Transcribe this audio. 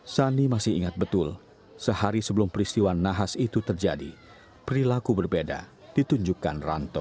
sani masih ingat betul sehari sebelum peristiwa nahas itu terjadi perilaku berbeda ditunjukkan ranto